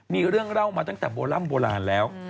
มีเรื่องเล่ามาตั้งแต่โบร่ำโบราณแล้ว